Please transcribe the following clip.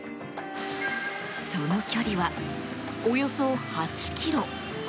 その距離は、およそ８ｋｍ。